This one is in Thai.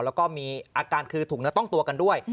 แล้วก็มีอาการคือถุงเนื้อต้องตัวกันด้วย